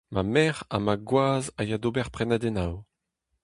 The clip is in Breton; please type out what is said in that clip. Ma merc'h ha ma gwaz a ya d'ober prenadennoù.